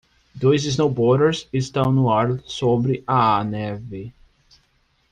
Dois snowboarders estão no ar sobre a neve